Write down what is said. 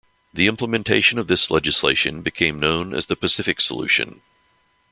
The implementation of this legislation became known as the Pacific Solution.